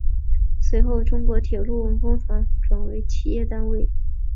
随后中国铁路文工团转为企业单位。